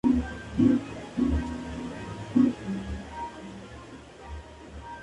De las dos cimas, a la sur solo se puede acceder escalando.